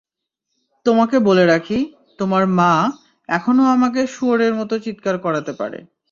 তোমাকে বলে রাখি, তোমার মা, এখনো আমাকে শুয়োরের মতো চিৎকার করাতে পারে।